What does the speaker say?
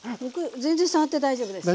全然触って大丈夫です。